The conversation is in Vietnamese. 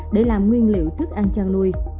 để làm nguyên liệu thức ăn chăn nuôi